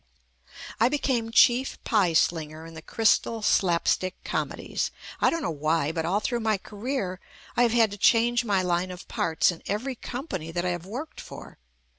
I became chief pie slinger in the Crystal slapstick comedies. I don't know why, but all through my career I have had to change my line of parts in every company that I have worked for.